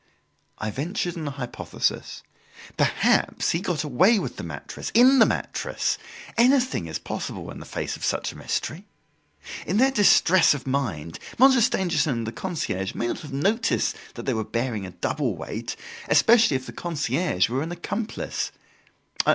I ventured on a hypothesis: "Perhaps he got away with the mattress in the mattress! Anything is possible, in the face of such a mystery! In their distress of mind Monsieur Stangerson and the concierge may not have noticed they were bearing a double weight; especially if the concierge were an accomplice!